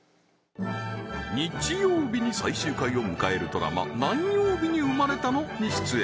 日曜日に最終回を迎えるドラマ何曜日に生まれたのに出演